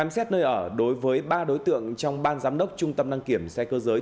xét nơi ở đối với ba đối tượng trong ban giám đốc trung tâm đăng kiểm xe cơ giới